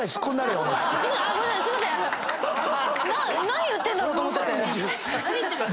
何言ってんだろう⁉と思って。